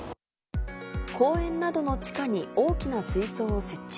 公園などの地下に大きな水槽を設置。